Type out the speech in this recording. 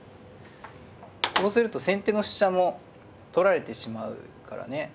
こうすると先手の飛車も取られてしまうからね。